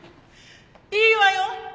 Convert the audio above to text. いいわよ！